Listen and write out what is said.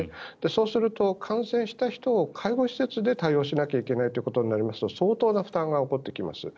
そうすると感染した人を介護施設で対応しなきゃいけないということになりますと相当な負担が起こってきます。